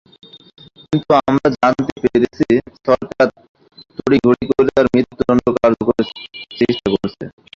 কিন্তু আমরা জানতে পেরেছি, সরকার তড়িঘড়ি করে তাঁর মৃত্যুদণ্ড কার্যকরের চেষ্টা করছে।